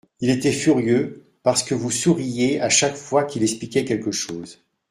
Il était furieux parce que vous souriiez à chaque fois qu’il expliquait quelque chose.